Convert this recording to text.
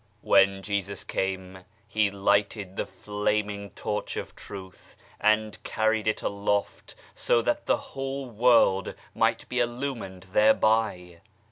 When Jesus came He lighted the flaming torch of Truth, and carried it aloft so that the whole world might be illumined thereby.